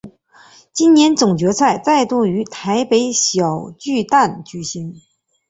今年总决赛再度于台北小巨蛋举行。